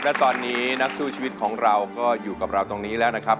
และตอนนี้นักสู้ชีวิตของเราก็อยู่กับเราตรงนี้แล้วนะครับ